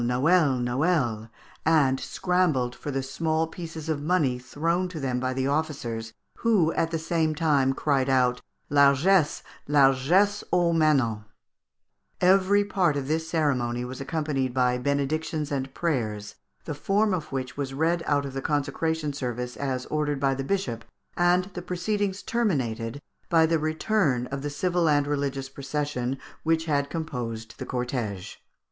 Noel! Noel!_" and scrambled for the small pieces of money thrown to them by the officers, who at the same time cried out, "Largesse, largesse aux manants!" Every part of this ceremony was accompanied by benedictions and prayers, the form of which was read out of the consecration service as ordered by the bishop, and the proceedings terminated by the return of the civil and religious procession which had composed the cortège.